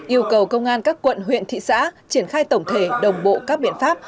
yêu cầu công an các quận huyện thị xã triển khai tổng thể đồng bộ các biện pháp